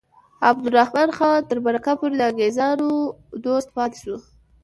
عبدالرحمن خان تر مرګه پورې د انګریزانو دوست پاتې شو.